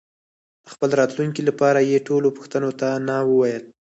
د خپل راتلونکي لپاره یې ټولو پوښتنو ته نه وویل.